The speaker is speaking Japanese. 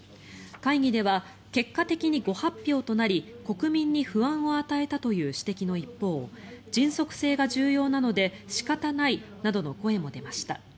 会議では結果的にご発表となり国民に不安を与えたという指摘の一方迅速性が重要なので仕方ないなどの声も出ました。